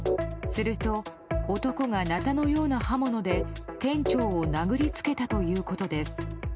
すると、男がなたのような刃物で店長を殴りつけたということです。